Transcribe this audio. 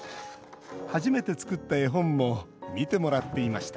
初めて作った絵本も見てもらっていました